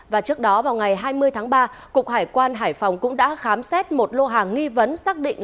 và trước đó vào ngày hai mươi tháng ba cục hải quan hải phòng cũng đã khám xét